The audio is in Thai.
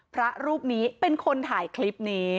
พระรูปนี้เป็นคนถ่ายคลิปนี้